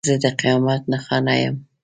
زه د قیامت نښانه یم.